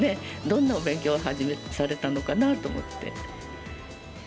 どんなお勉強初めされたのかなと思って。